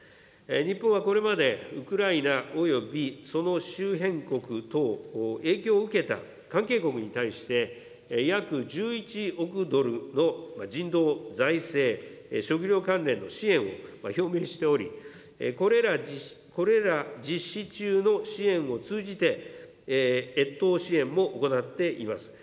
日本はこれまでウクライナおよびその周辺国等、影響を受けた関係国に対して、約１１億ドルの人道、財政、食料関連の支援を表明しており、これら実施中の支援を通じて、越冬支援も行っています。